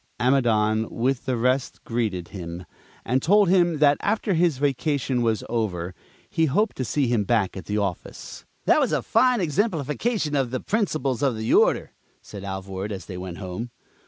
Amidon, with the rest, greeted him, and told him that after his vacation was over, he hoped to see him back at the office. "That was a fine exemplification of the principles of the Order," said Alvord as they went home.